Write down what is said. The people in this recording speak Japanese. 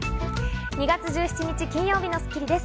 ２月１７日、金曜日の『スッキリ』です。